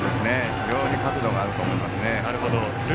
非常に角度があると思いますね。